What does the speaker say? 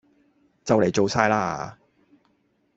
就嚟做晒喇